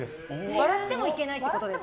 笑ってもいけないってことですか。